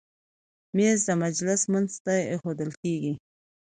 مېز د مجلس منځ ته ایښودل کېږي.